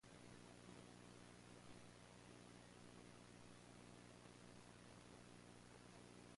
The second single, "Dancing Barefoot", has been covered by many artists.